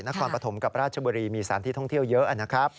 นครปฐมกับราชบุรีมีสถานที่ท่องเที่ยวเยอะนะครับ